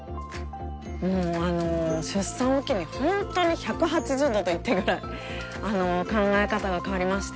もうあの出産を機にほんとに１８０度といっていいぐらいあの考え方が変わりまして